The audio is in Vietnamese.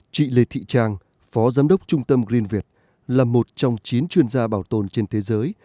chị lê thị trang phó giám đốc trung tâm greenviet là một trong chín chuyên gia bảo tồn trên thế giới